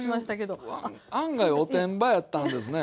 そういう案外おてんばやったんですね。